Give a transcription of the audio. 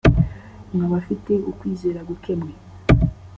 mwa bafite ukwizera guke mwe!